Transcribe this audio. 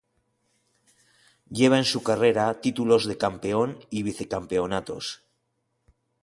Lleva en su carrera Títulos de Campeón, y Vice-Campeonatos.